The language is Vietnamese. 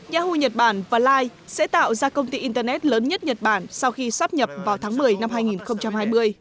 yahoo nhật bản và line sẽ tạo ra công ty internet lớn nhất nhật bản sau khi sắp nhập vào tháng một mươi năm hai nghìn hai mươi